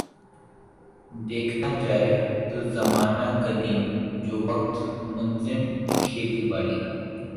دیکھنا جائے تو زمانہ قدیم جو وقت منظم کھیتی باڑی